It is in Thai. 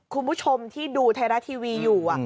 คุณผู้ชมที่ดูไทยรัฐทีวีอยู่